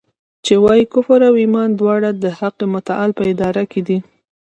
چي وايي کفر او ایمان دواړه د حق متعال په اراده کي دي.